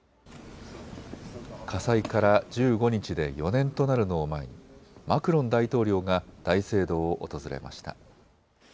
火災から１５日で４年となるのを前にマクロン大統領が大聖堂を訪れました。